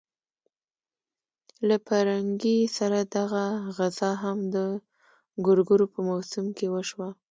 له پرنګي سره دغه غزا هم د ګورګورو په موسم کې وشوه.